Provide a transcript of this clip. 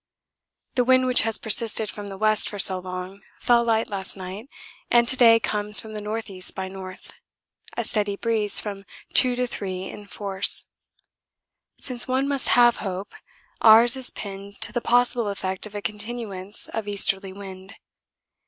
The wind which has persisted from the west for so long fell light last night, and to day comes from the N.E. by N., a steady breeze from 2 to 3 in force. Since one must have hope, ours is pinned to the possible effect of a continuance of easterly wind.